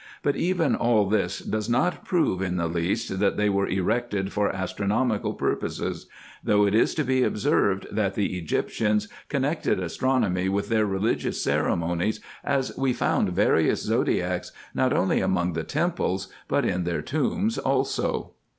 But even all this does not prove in the least, that they were erected for astronomical purposes ; though it is to be observed, that the Egyptians connected astronomy with their religious ceremonies, as we found various zodiacs, not only among the temples, but in their tombs also.